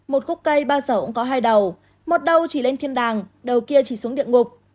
một khúc cây bao giờ cũng có hai đầu một đầu chỉ lên thiên đàng đầu kia chỉ xuống địa ngục